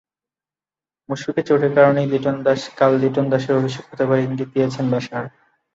মুশফিকের চোটের কারণেই কাল লিটন দাসের অভিষেক হতে পারে ইঙ্গিত দিয়েছেন বাশার।